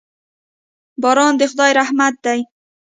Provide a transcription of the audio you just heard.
باران د خداي رحمت دي.